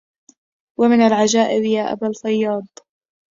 ومن العجائب يا أبا الفياض